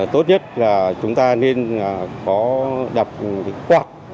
tốt nhất là chúng ta nên có đập quạt